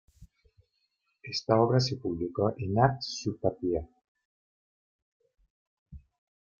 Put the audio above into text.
Esta obra se publicó en Actes Sud-Papiers.